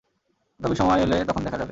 তবে সময় এলে তখন দেখা যাবে।